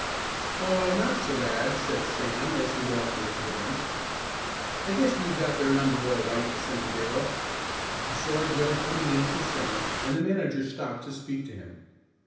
"Oh, not so bad," said Sam as he walked in to the bench. "I guess we've got their number all right," assented Darrell. He saw Joe coming in from centre and the manager stopped to speak to him.